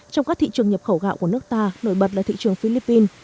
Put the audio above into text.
trong các thị trường nhập khẩu gạo của nước ta nổi bật là thị trường philippines